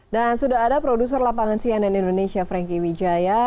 dan sudah ada produser lapangan cnn indonesia frankie wijaya